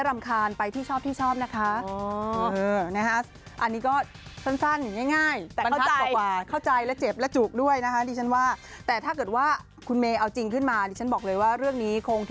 ลำคาญอันนี้ลำคาญคุณ